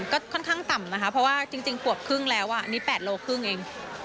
ก็ค่อนข้างต่ำนะคะเพราะว่าจริงขวบครึ่งแล้วอันนี้๘โลครึ่งเอง